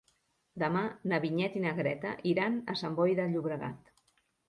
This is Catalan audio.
Demà na Vinyet i na Greta iran a Sant Boi de Llobregat.